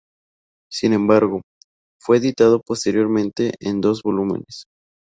Sin embargo, fue editado posteriormente en dos volúmenes.